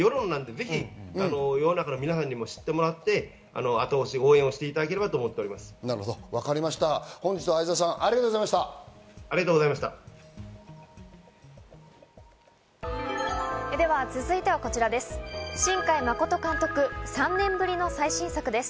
ぜひ世の中の皆さんにも知ってもらって、後押し、応援をしていただければと思います。